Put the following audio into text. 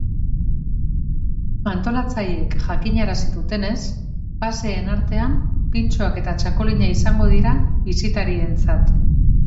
Antolatzaileek jakinarazi dutenez, paseen artean pintxoak eta txakolina izango dira bisitarientzat.